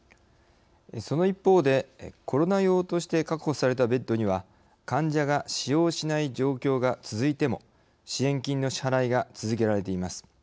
その一方でコロナ用として確保されたベッドには患者が使用しない状況が続いても支援金の支払いが続けられています。